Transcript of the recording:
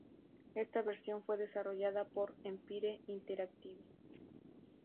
Esta versión fue desarrollada por Empire Interactive.